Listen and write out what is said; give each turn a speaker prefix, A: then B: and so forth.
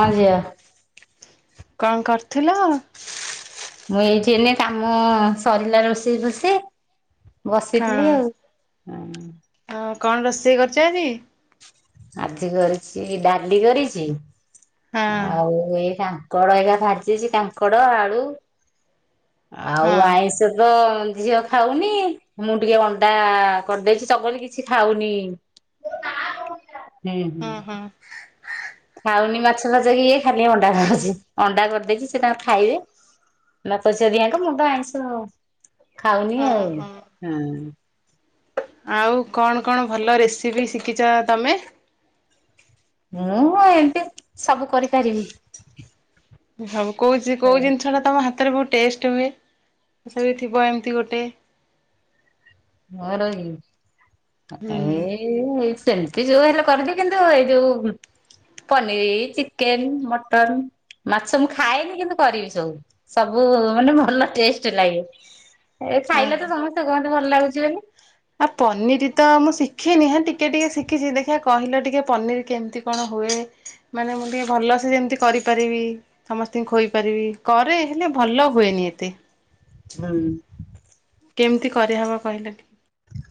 A: ହଁ ଜିଆ।
B: କଣ କରିଥିଲ।
A: ମୁଁ ଏଇଠି ଏଇନି କାମ ସରିଲା ରୋଷେଇ ଫୋଷେଇ
B: ହଁ
A: ବସିଥିଲି ଆଉ। [inaudible]
B: ହଁ କଣ ରୋଷେଇ କରିଛ ଆଜି।
A: ଆଜି କରିଛି ଡାଲି କରିଛି
B: ହଁ
A: ଆଉ ଏଇ କାଙ୍କଡ଼ ହେକା ଭାଜିଛି କାଙ୍କଡ଼ ଆଳୁ। ଆଉ
B: ହଁ
A: ଆଇଁଷ ତ ଝିଅ ଖାଉନି ମୁଁ ଟିକେ ଅଣ୍ଡା କରିଦେଇଛି ଚଗଲି କିଛି ଖାଉନି।
B: [inaudible]
A: ହୁଁ ହୁଁ
B: ହଁ।
A: ଖାଉନି ମାଛ ଫାଛ କି ଇଏ ଖାଲି ଅଣ୍ଡା ଖାଉଛି ଅଣ୍ଡା କରିଦେଇଛି ସେ ତାଙ୍କର ଖାଇବେ। ବାପ ଝିଅ ଦିଆକ ମୁଁ ତ ଆଇଁଷ ଖାଉନି
B: ହଁ
A: ଆଉ ହୁଁ।
B: ହଁ। ଆଉ କଣ କଣ ଭଲ ରେସିପି ଶିଖିଛ ତମେ।
A: ମୁଁ ଏମିତି ସବୁ କରିପାରିବି।
B: ସବୁ କଉ କଉ ଜିନିଷଟା ତୁମ ହାତରେ ବହୁତ ଟେଷ୍ଟ ହୁଏ ସେ ବି ଥିବ ଏମିତି ଗୋଟେ।
A: ମୋର କି
B: ହୁଁ
A: ଏଇ। ଏ ସେମିତି ଯୋଉ ହେଲେ କରିବି କିନ୍ତୁ ଏଇ ଯୋଉ ପନିର ଚିକେନ ମଟନ ମାଛ ମୁଁ ଖାଏନି କିନ୍ତୁ କରିବି ସବୁ। ସବୁ ମାନେ ଭଲ ଟେଷ୍ଟ ଲାଗେ ଏ
B: ଅ
A: ଖାଇଲେ ତ ସମସ୍ତେ କୁହନ୍ତି ଭଲ ଲାଗୁଛି ବୋଲି।
B: ଆ ପନିର ତ ମୁଁ ଶିଖିନି ହେ ଟିକେ ଟିକେ ଶିଖିଛି ଦେଖିବା କହିଲ ଟିକେ ପନିର କେମିତି କଣ ହୁଏ ମାନେ ମୁଁ ଟିକଏ ଭଲସେ ଯେମିତି କରିପାରିବି। ସମସ୍ତଙ୍କୁ ଖୋଇ ପାରିବି କରେ ହେଲେ ଭଲ ହୁଏନି ଏତେ।
A: ହଁ।
B: କେମିତି କରି ଆହବ କହିଲ ଟି